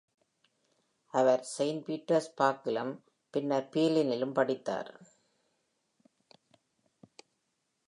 அவர் Saint பீட்டர்ஸ்பர்க்கிலும் பின்னர் peர்லினிலும் படித்தார்.